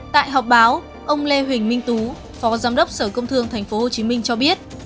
tại họp báo ông lê huỳnh minh tú phó giám đốc sở công thương tp hcm cho biết